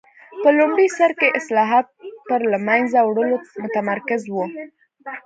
په لومړي سر کې اصلاحات پر له منځه وړلو متمرکز و.